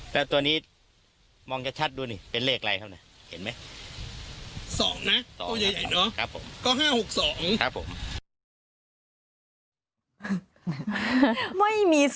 แล้วตัวนี้มองชัดดูนี่เป็นเลขอะไรครับเนี่ยเห็นไหม